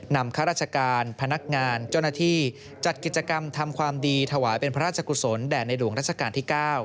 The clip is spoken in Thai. ข้าราชการพนักงานเจ้าหน้าที่จัดกิจกรรมทำความดีถวายเป็นพระราชกุศลแด่ในหลวงราชการที่๙